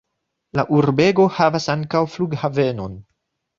La urbego havas ankaŭ flughavenon.